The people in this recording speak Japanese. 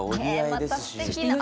またすてきな。